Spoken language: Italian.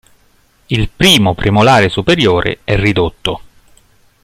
Il primo premolare superiore è ridotto.